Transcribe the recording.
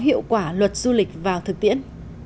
có hiệu quả luật du lịch vào thực tiễn